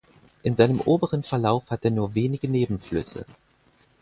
In seinem oberen Verlauf hat er nur wenige Nebenflüsse.